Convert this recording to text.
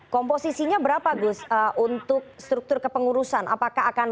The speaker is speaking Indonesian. komposisinya berapa gus untuk struktur kepengurusan